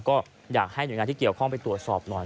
ก็อยากให้หน่วยงานที่เกี่ยวข้องไปตรวจสอบหน่อย